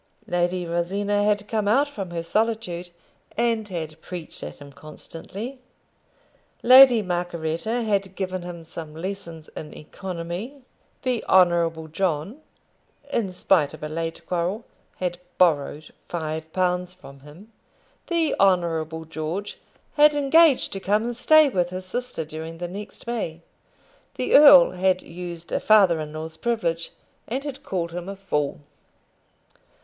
Lady Rosina had come out from her solitude, and had preached at him constantly. Lady Margaretta had given him some lessons in economy. The Honourable John, in spite of a late quarrel, had borrowed five pounds from him. The Honourable George had engaged to come and stay with his sister during the next May. The earl had used a father in law's privilege, and had called him a fool.